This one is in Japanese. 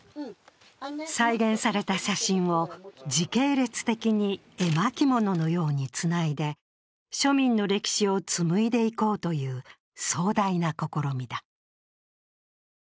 再現された写真を時系列的に絵巻物のようにつないで、庶民の歴史を紡いでいこうという壮大な試みだ。